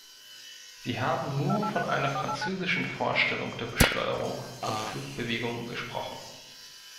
Sie haben nur von einer französischen Vorstellung der Besteuerung von Flugbewegungen gesprochen.